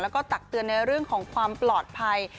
แล้วก็ตักเตือนในเรื่องของความปลอดภัย